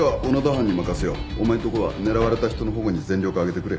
お前んとこは狙われた人の保護に全力を挙げてくれ。